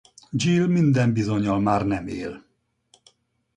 Jill minden bizonnyal már nem él.